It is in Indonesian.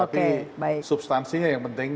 tetapi substansinya yang penting